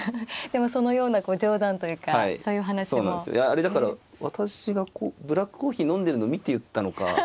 あれだから私がこうブラックコーヒー飲んでるの見て言ったのか。